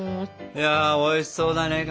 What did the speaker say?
いやおいしそうだねかまど。